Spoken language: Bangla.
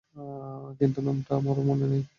কিন্তু, নামটা আমারও মনে নেই।